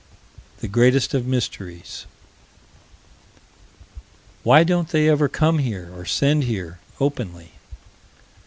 The greatest of mysteries: Why don't they ever come here, or send here, openly?